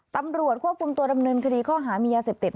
ตำรวจควบคุมตัวดำเนินคดีข้อหามียาเสพติด